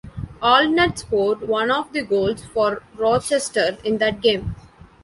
Allnutt scored one of the goals for Rochester in that game.